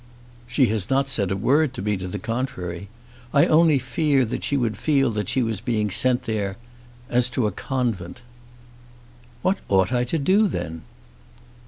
"She has not said a word to me to the contrary. I only fear she would feel that she was being sent there, as to a convent." "What ought I to do then?"